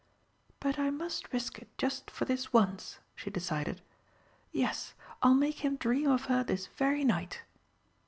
"But I must risk it just for this once," she decided. "Yes, I'll make him dream of her this very night."